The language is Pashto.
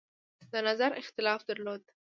د نظر اختلاف درلود.